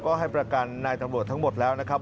ก็ให้ประกันนายตำรวจทั้งหมดแล้วนะครับ